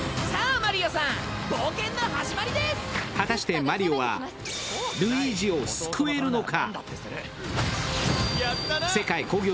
果たしてマリオはルイージを救えるのか？